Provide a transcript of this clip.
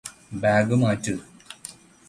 bag മാറ്റ്